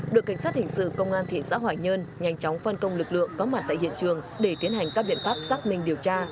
đội cảnh sát hình sự công an thị xã hoài nhơn nhanh chóng phân công lực lượng có mặt tại hiện trường để tiến hành các biện pháp xác minh điều tra